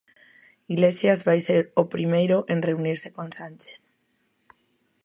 Iglesias vai ser o primeiro en reunirse con Sánchez.